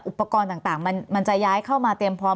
อุปกรณ์ต่างมันจะย้ายเข้ามาเตรียมพร้อม